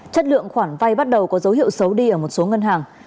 chất lượng khoản vay bắt đầu có dấu hiệu xấu đi ở một số ngân hàng